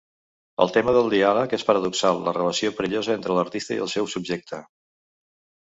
El tema del diàleg és paradoxal, la relació perillosa entre l'artista i el seu subjecte.